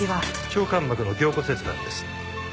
腸間膜の凝固切断です。